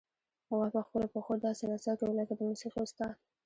غوا په خپلو پښو داسې نڅا کوي لکه د موسیقۍ استاد.